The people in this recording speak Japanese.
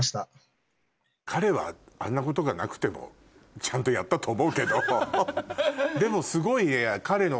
彼はあんなことがなくてもちゃんとやったと思うけどでもすごい。